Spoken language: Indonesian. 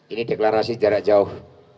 ini deklarasi jarak jauh